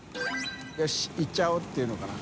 よし行っちゃおう！」って言うのかな？